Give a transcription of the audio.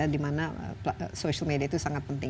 di mana social media itu sangat penting